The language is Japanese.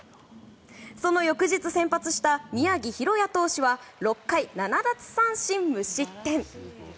その翌日先発した宮城大弥投手は６回７奪三振無失点。